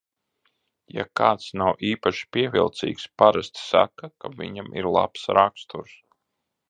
Ja kāds nav īpaši pievilcīgs, parasti saka, ka viņam ir labs raksturs.